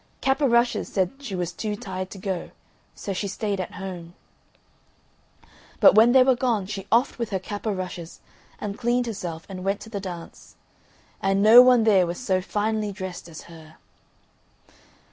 Cap o' Rushes said she was too tired to go, so she stayed at home. But when they were gone she offed with her cap o' rushes, and cleaned herself, and went to the dance. And no one there was so finely dressed as her.